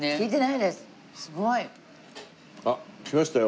すごい！あっ来ましたよ。